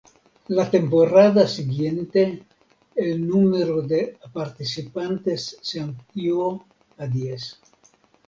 La temporada siguiente el número de participantes se amplió a diez.